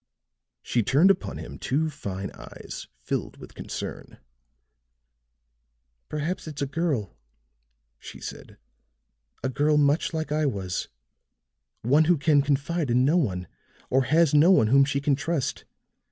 She turned upon him two fine eyes filled with concern. "Perhaps it's a girl," she said. "A girl much like I was one who can confide in no one, or has no one whom she can trust.